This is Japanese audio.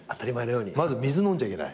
まず水飲んじゃいけない。